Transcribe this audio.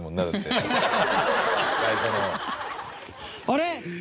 あれ？